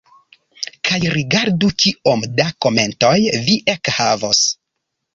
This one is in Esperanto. Kaj rigardu kiom da komentoj vi ekhavos.